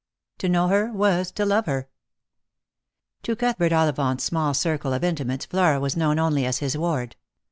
To know her was to love her. To Cuthbert Ollivant's small circle of intimates Flora was known only as his ward.